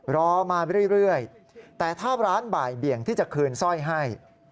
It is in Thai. รอมาเรื่อยแต่ถ้าร้านบ่ายเบี่ยงที่จะคืนสร้อยให้